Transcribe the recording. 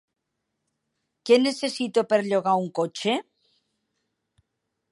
Què necessito per llogar un cotxe?